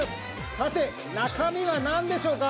さて、中身はなんでしょうか？